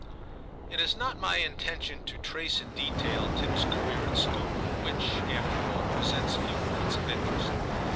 It is not my intention to trace in detail Tim*s career at school, which, after all, pre sents few points of interest.